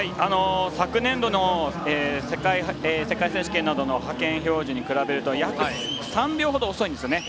昨年度の世界選手権などの派遣標準に比べると約３秒程、遅いんですよね。